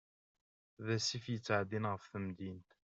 D asif yettεeddin ɣef temdint.